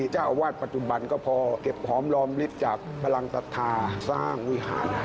เจ้าอาวาสปัจจุบันก็พอเก็บหอมรอมลิฟต์จากพลังศรัทธาสร้างวิหาร